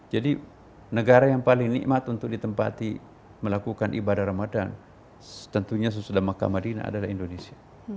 jadi negara yang paling nikmat untuk ditempati melakukan ibadah ramadhan tentunya sesudah makkah madinah adalah indonesia